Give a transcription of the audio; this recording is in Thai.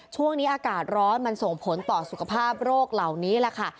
ช่วงนี้อากาศร้อนมันส่งผลต่อสุขภาพโรคเหล่านี้แหละค่ะ